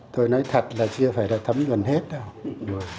tôi nói thật là chưa phải là thấm gần hết đâu